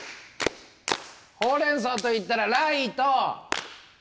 ほうれんそうと言ったらライト。